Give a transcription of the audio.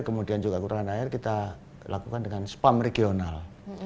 kemudian juga kekurangan air kita lakukan dengan spam regional